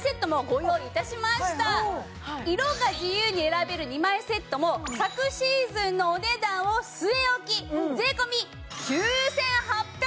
色が自由に選べる２枚セットも昨シーズンのお値段を据え置き税込９８００円です！